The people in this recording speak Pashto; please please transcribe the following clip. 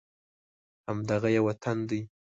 همدغه یې وطن دی